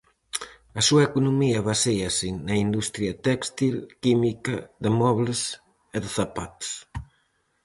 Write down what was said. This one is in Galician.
A súa economía baséase na industria téxtil, química, de mobles e de zapatos.